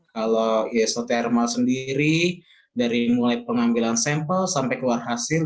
kalau isotermal sendiri dari mulai pengambilan sampel sampai keluar hasil